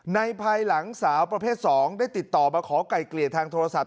ภายหลังสาวประเภท๒ได้ติดต่อมาขอไก่เกลี่ยทางโทรศัพ